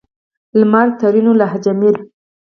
لمر؛ ترينو لهجه مير